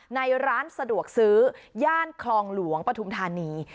ในร้านสะดวกซื้อย่านคลองหลวงปฐุมธานี